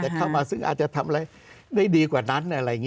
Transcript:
แต่เขามาซึ่งอาจจะทำอะไรได้ดีกว่านั้น